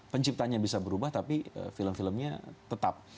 penciptanya bisa berubah tapi film filmnya tetap